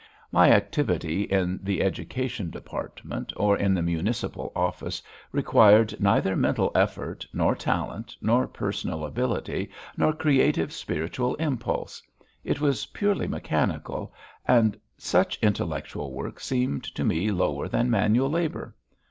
My activity in the education department or in the municipal office required neither mental effort, nor talent, nor personal ability, nor creative spiritual impulse; it was purely mechanical, and such intellectual work seemed to me lower than manual labour.